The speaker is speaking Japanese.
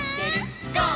「ゴー！